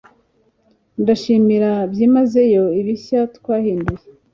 Ndashimira byimazeyo ibishya twahinduye